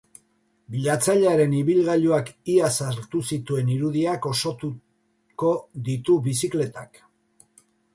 Bilatzailearen ibilgailuak iaz hartu zituen irudiak osotuko ditu bizikletak.